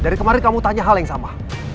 dari kemarin kamu tanya hal yang sama